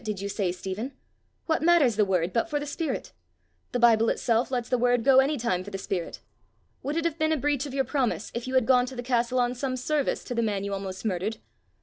did you say, Stephen? What matters the word but for the spirit? The Bible itself lets the word go any time for the spirit! Would it have been a breach of your promise if you had gone to the castle on some service to the man you almost murdered?